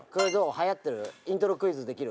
はやってる？